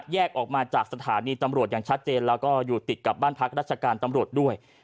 แยกออกมาจากสถานีตำรวจอย่างชัดเจนแล้วก็อยู่ติดกับบ้านพักราชการตำรวจด้วย